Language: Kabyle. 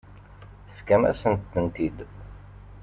Tefkam-asent-ten-id.